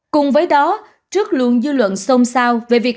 cùng với đó trước luôn dư luận sông sao về việc